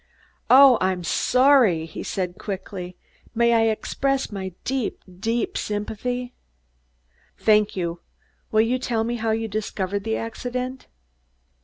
"Oh, I'm sorry!" he said quickly. "May I express my deep, deep sympathy?" "Thank you. Will you tell me how you discovered the accident?"